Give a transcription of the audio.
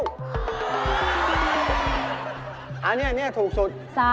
อ๋อนี่คือร้านเดียวกันเหรออ๋อนี่คือร้านเดียวกันเหรอ